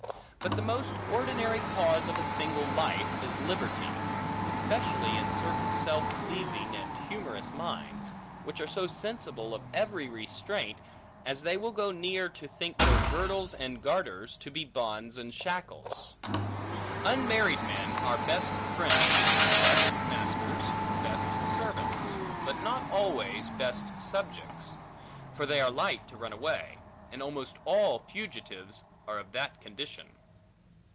But the most ordinary cause of a single life, is liberty, especially in certain self pleasing and humorous minds, which are so sensible of every restraint, as they will go near to think their girdles and garters, to be bonds and shackles. Unmarried men are best friends, best masters, best servants; but not always best subjects; for they are light to run away; and almost all fugitives, are of that condition.